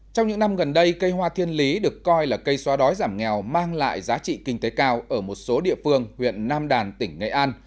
trong những năm gần đây cây hoa thiên lý được coi là cây xóa đói giảm nghèo mang lại giá trị kinh tế cao ở một số địa phương huyện nam đàn tỉnh nghệ an